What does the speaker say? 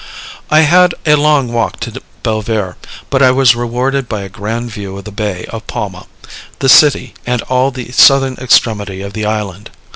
I had a long walk to Belver, but I was rewarded by a grand view of the Bay of Palma, the city, and all the southern extremity of the island.